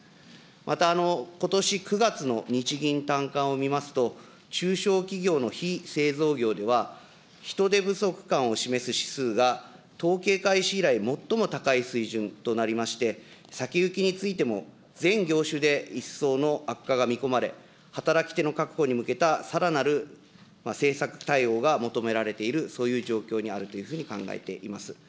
またことし９月の日銀短観を見ますと、中小企業の非製造業では、人手不足感を示す指数が、統計開始以来、最も高い水準となりまして、先行きについても全業種で一層の悪化が見込まれ、働き手の確保に向けたさらなる政策対応が求められている、そういう状況にあるというふうに考えています。